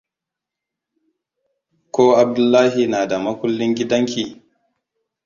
Ko Abdullahi na da makullin gidanki?